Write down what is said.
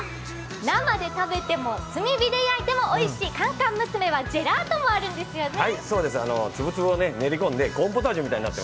生で食べても炭火で焼いてもおいしい甘々娘はジェラートもあるんですよね。